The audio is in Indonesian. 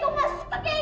gak suka kayak gitu gigi